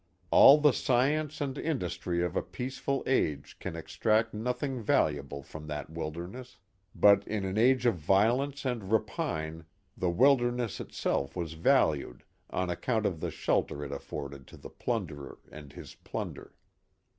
All the science and industry of a peaceful age can extract nothing valuable from that wilderness; but in an age of violence and rapine, the wilderness itself was valued on account of the shelter it afforded to the plunderer and his plunder.